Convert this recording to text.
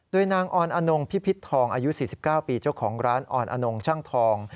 โดยนางออนอนงพิพิษทองอายุ๔๙ปีเจ้าของร้านออนอนงช่างทอง